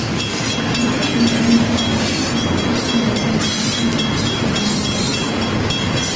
ორქოში მადენი დიხას ოფურუანს დო თიშენი რე ჸვანას დაჩხირი გუთმურჩქინდუნიე.